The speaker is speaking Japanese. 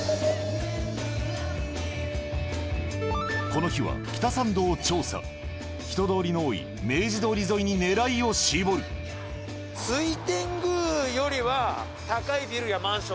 この日は北参道を調査人どおりの多い明治通り沿いに狙いを絞る水天宮よりは。が多い。